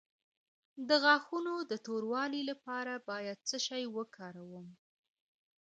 د غاښونو د توروالي لپاره باید څه شی وکاروم؟